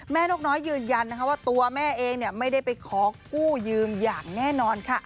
นกน้อยยืนยันนะคะว่าตัวแม่เองไม่ได้ไปขอกู้ยืมอย่างแน่นอนค่ะ